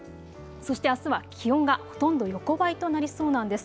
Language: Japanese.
そしてあすは気温がほとんど横ばいとなりそうなんです。